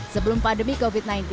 sebelum pandemi covid sembilan belas